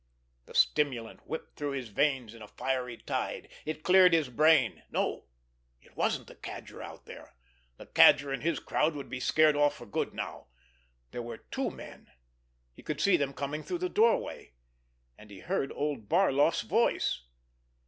The stimulant whipped through his veins in a fiery tide. It cleared his brain. No, it wasn't the Cadger out there—the Cadger and his crowd would be scared off for good now—there were two men—he could see them coming through the doorway—and he heard old Barloff's voice.